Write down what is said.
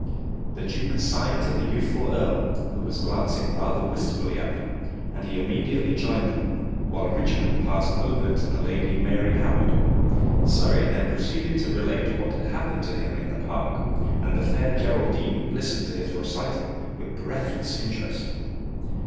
The duke signed to the youthful earl, who was glancing rather wistfully at them, and he immediately joined them, while Richmond passed over to the Lady Mary Howard. Surrey then proceeded to relate what had happened to him in the park, and the fair Geraldine listened to his recital with breathless interest.